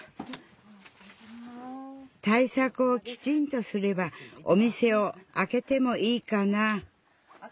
対策をきちんとすればお店をあけてもいいかな。